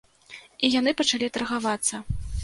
І яны пачалі таргавацца.